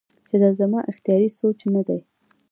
چې دا زما اختياري سوچ نۀ دے